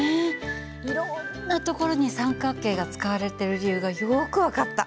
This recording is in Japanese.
いろんなところに三角形が使われてる理由がよく分かった。